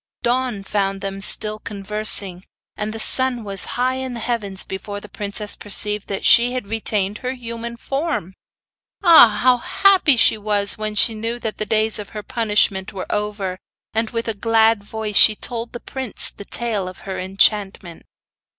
Dawn found them still conversing; and the sun was high in the heavens before the princess perceived that she retained her human form. Ah! how happy she was when she knew that the days of her punishment were over; and with a glad voice she told the prince the tale of her enchantment.